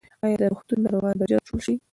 ایا د روغتون ناروغان به ژر جوړ شي؟